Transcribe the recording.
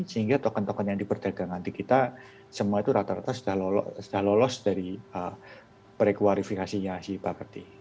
sehingga token token yang diperdagangkan di kita semua itu rata rata sudah lolos dari preklarifikasinya si baperty